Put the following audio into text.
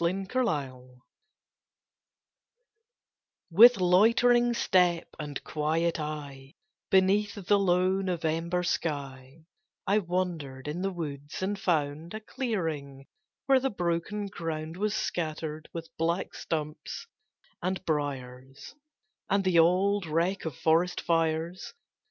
IN NOVEMBER With loitering step and quiet eye, Beneath the low November sky, I wandered in the woods, and found A clearing, where the broken ground Was scattered with black stumps and briers, And the old wreck of forest fires.